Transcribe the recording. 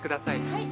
はい。